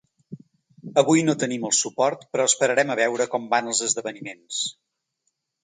Avui no tenim el suport, però esperarem a veure com van els esdeveniments.